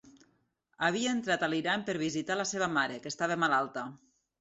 Havia entrat a l'Iran per visitar la seva mare, que estava malalta.